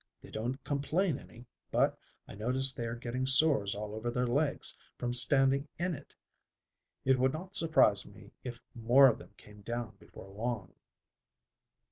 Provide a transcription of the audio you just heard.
They don't complain any, but I notice they are getting sores all over their legs from standing in it. It would not surprise me if more of them came down before long."